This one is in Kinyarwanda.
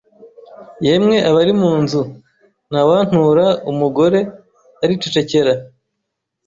Yemwe abari mu nzu ntawantura Umugore aricecekera